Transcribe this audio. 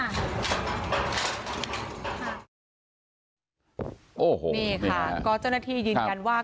โอ้โหนี่ค่ะเจ้าหน้าที่ยืนยันว่า